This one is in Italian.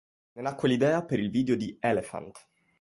Ne nacque l’idea per il video di “Elephant”.